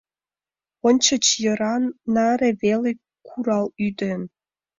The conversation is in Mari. Ончыч йыраҥ наре веле курал-ӱден.